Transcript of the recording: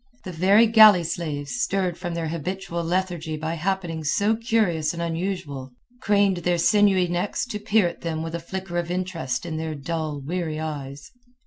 The very galley slaves, stirred from their habitual lethargy by happenings so curious and unusual, craned their sinewy necks to peer at them with a flicker of interest in their dull, weary eyes.